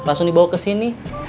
langsung dibawa ke sini